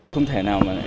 không thể nào